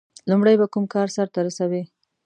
• لومړی به کوم کار سر ته رسوي؟